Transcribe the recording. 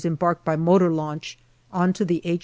embarked by motor launch on to H.